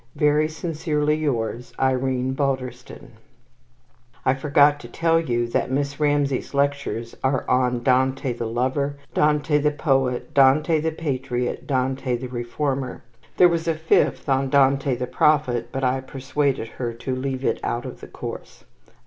Very sincerely yours, IRENE BALDERSTON. I forgot to tell you that Miss Ramsay's lectures are on Dante, the Lover. Dante, the Poet. Dante, the Patriot. Dante, the Reformer. There was a fifth on Dante, the Prophet, but I persuaded her to leave it out of the course.